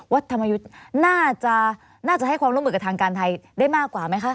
ธรรมยุทธ์น่าจะให้ความร่วมมือกับทางการไทยได้มากกว่าไหมคะ